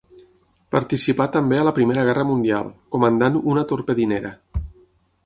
Participà també a la Primera Guerra Mundial, comandant una torpedinera.